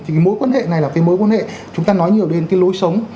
thì cái mối quan hệ này là cái mối quan hệ chúng ta nói nhiều đến cái lối sống